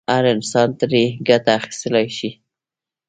هر انسان ترې ګټه اخیستلای شي.